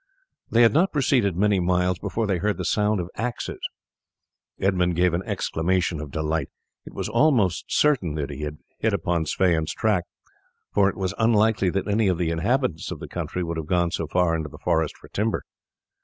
They had not proceeded many miles before they heard the sound of axes. Edmund gave an exclamation of delight. It was almost certain that he had hit upon Sweyn's track, for it was unlikely that any of the inhabitants of the country would have gone so far into the forest for timber.